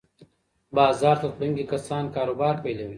بازار ته تلونکي کسان کاروبار پیلوي.